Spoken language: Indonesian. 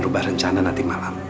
rubah rencana nanti malam